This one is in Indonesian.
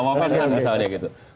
womenhan misalnya gitu